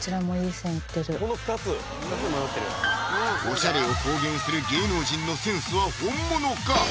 おしゃれを公言する芸能人のセンスは本物か？